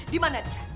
di mana dia